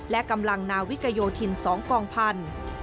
และกำลังนาวิกโยธิน๒กองพันธุ์